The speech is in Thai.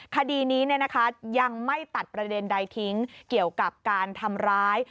คดีนี้ยังไม่ตัดประเด็นใดทิ้งเกี่ยวกับการทำร้าย